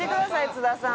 津田さん